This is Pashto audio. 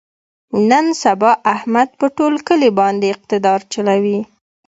نن سبا احمد په ټول کلي باندې اقتدار چلوي.